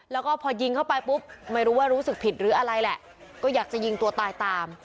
แล้วก็พอยิงเข้าไปปุ๊บไม่รู้ว่ารู้สึกผิดหรืออะไรแหละก็อยากจะยิงตัวตายตาม